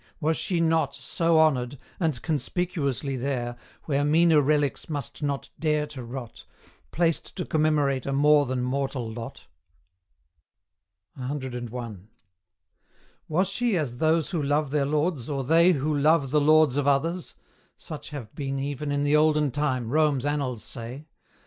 Was she not So honoured and conspicuously there, Where meaner relics must not dare to rot, Placed to commemorate a more than mortal lot? CI. Was she as those who love their lords, or they Who love the lords of others? such have been Even in the olden time, Rome's annals say.